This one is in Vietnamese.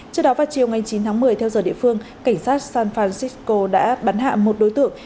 trước đó vào chiều ngày chín tháng một mươi theo giờ địa phương cảnh sát san francisco đã bắn hạ một đối tượng